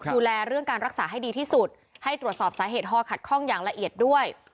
ดูแลเรื่องการรักษาให้ดีที่สุดให้ตรวจสอบสาเหตุฮอขัดข้องอย่างละเอียดด้วย